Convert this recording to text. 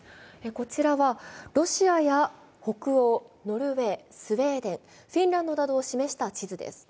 こちらはロシアや北欧、ノルウェー、スウェーデン、フィンランドなどを示した地図です。